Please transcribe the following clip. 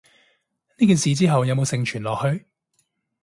呢件事之後有無承傳落去？